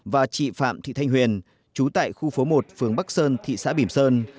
và chị phạm thị thanh huyền trú tại khu phố một phường bắc sơn thị xã bỉm sơn